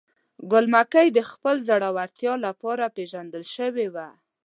ګل مکۍ د خپل زړورتیا لپاره پیژندل شوې وه.